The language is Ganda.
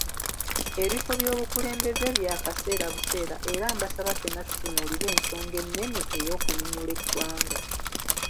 Ebifo by'obukulembeeze bya kaseera buseera era mbasaba ffenna tutunulire ensonga ennene ey'okununula eggwanga.